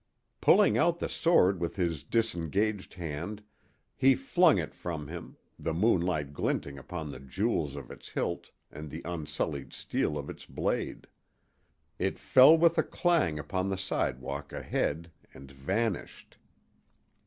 Pulling out the sword with his disengaged hand, he flung it from him, the moonlight glinting upon the jewels of its hilt and the unsullied steel of its blade. It fell with a clang upon the sidewalk ahead and—vanished!